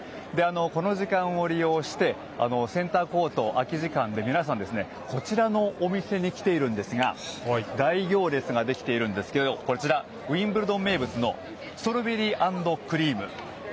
この時間を利用してセンターコート空き時間で皆さん、こちらのお店に来ているんですが大行列ができていますがこちらはウィンブルドン名物のストロベリー＆クリーム。